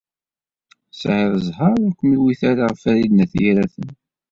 Tesɛid zzheṛ ur kem-iwit ara Farid n At Yiraten.